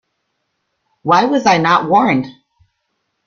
Why was I not warned?